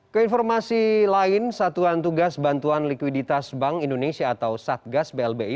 keinformasi lain satuan tugas bantuan likuiditas bank indonesia atau satgas blbi